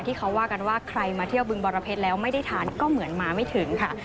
ที่เขาว่ากันว่าใครมาเที่ยวบึงบรเพชรแล้วไม่ได้ทานก็เหมือนมาไม่ถึงค่ะ